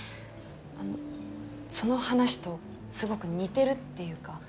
あのその話とすごく似てるっていうか。